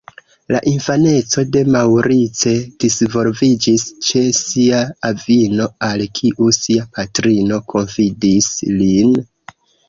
La infaneco de Maurice disvolviĝis ĉe sia avino, al kiu sia patrino konfidis lin.